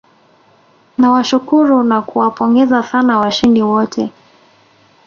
nawashukuru na kuwapongeza sana washindi wote